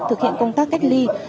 thực hiện công tác cách ly